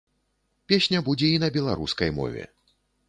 Песня будзе і на беларускай мове.